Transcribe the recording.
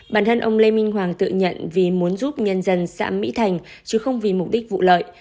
bản thân ông lê minh hoàng tự nhận vì muốn giúp nhân dân xã mỹ thành chứ không vì mục đích vụ lợi